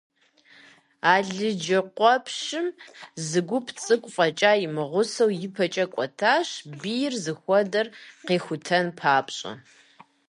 Алыджыкъуэпщым зы гуп цӏыкӏу фӏэкӏа имыгъусэу ипэкӏэ кӏуэтащ, бийр зыхуэдэр къихутэн папщӏэ.